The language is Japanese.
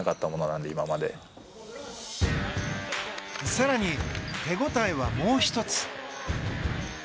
更に手応えは、もう１つ。